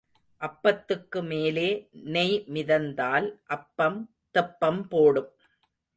அப்பத்துக்கு மேலே நெய் மிதந்தால் அப்பம் தெப்பம் போடும்.